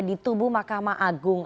di tubuh mahkamah agung